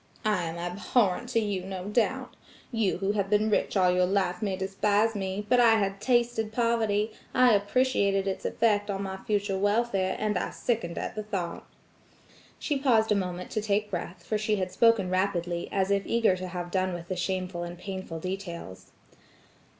I am abhorrent to you, no doubt. You who have been rich all your life may despise me; but I had tasted poverty, I appreciated its effect on my future welfare, and I sickened at the thought." She paused a moment to take breath, for she had spoken rapidly, as if eager to have done with the shameful and painful details.